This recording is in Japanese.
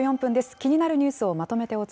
気になるニュースをまとめてお伝